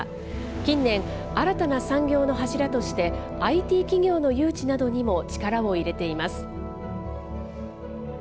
近年、新たな産業の柱として、ＩＴ企業の誘致などにも力を入れています。